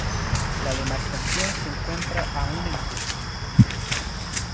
La demarcación se encuentra aún en curso.